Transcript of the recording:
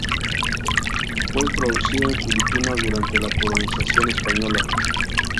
Fue introducido en Filipinas durante la colonización española.